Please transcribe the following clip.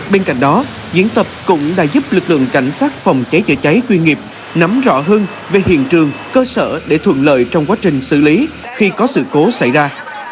bên cạnh đó diễn tập cũng đã giúp lực lượng cảnh sát phòng cháy chữa cháy chuyên nghiệp nắm rõ hơn về hiện trường cơ sở để thuận lợi trong quá trình xử lý khi có sự cố xảy ra